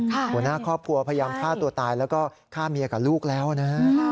หัวหน้าครอบครัวพยายามฆ่าตัวตายแล้วก็ฆ่าเมียกับลูกแล้วนะฮะ